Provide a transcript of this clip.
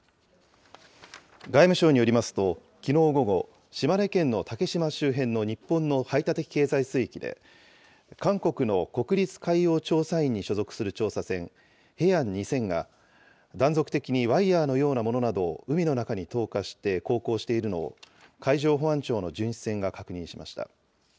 外務省によりますと、きのう午後、島根県の竹島周辺の日本の排他的経済水域で、韓国の国立海洋調査院に所属する調査船、ＨａｅＹａｎｇ２０００が、断続的にワイヤーのものなどを海の中に投下して航行しているのを、海上保安庁の巡視船が確認しました。